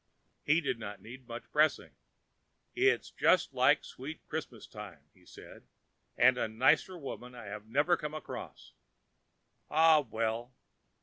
He did not need much pressing. "It's just like the sweet Christmas time," he said, "and a nicer woman I never came across. Ah, well!